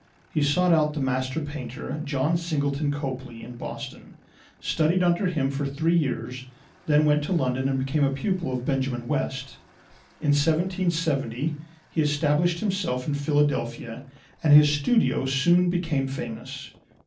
He sought out the master painter, John Singleton Copley, in Boston, studied under him for three years, then went to London and became a pupil of Benjamin West. In 1770 he established himself in Philadelphia, and his studio soon became famous.